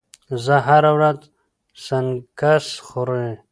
زه هره ورځ سنکس خوري.